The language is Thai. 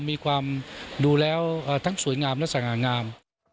มีความดูแล้วทั้งสวยงามและสง่างาม